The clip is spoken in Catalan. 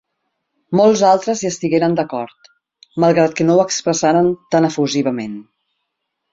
Molts altres hi estigueren d'acord, malgrat que no ho expressaren tan efusivament.